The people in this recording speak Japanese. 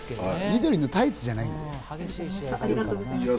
緑のタイツじゃないんだよ。